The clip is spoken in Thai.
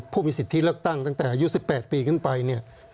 ผู้มีสิทธิเลือกตั้งตั้งแต่อายุ๑๘ปีขึ้นไปเนี่ย